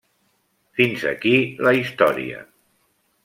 Fins aquí la història.